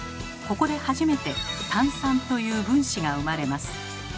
ここで初めて「炭酸」という分子が生まれます。